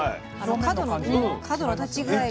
角の角の立ち具合が。